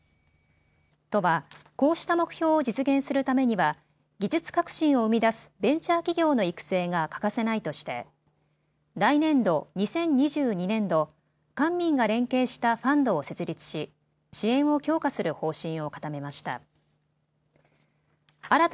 都はこうした目標を実現するためには技術革新を生み出すベンチャー企業の育成が欠かせないとして来年度・２０２２年度、官民が連携したファンドを設立し支援を強化する方針を固めました。